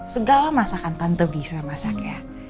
segala masakan tante bisa masaknya